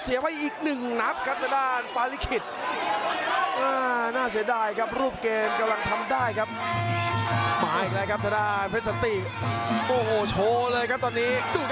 ไม่ไหวอีกหนึ่งนะครับทะดานฟ้าลิกฤทธิ์